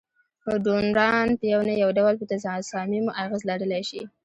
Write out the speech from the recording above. ډونران په یو نه یو ډول په تصامیمو اغیز لرلای شي.